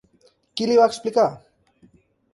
Qui li va explicar?